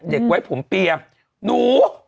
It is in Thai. เด็กไว้ผมเปียมหนู